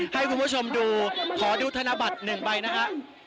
ให้คุณผู้ชมดูขอดูธนบัตรหนึ่งไปนะฮะ